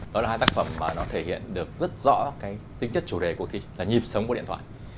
đó là hai tác phẩm mà nó thể hiện được rất rõ cái tính chất chủ đề cuộc thi là nhịp sống của điện thoại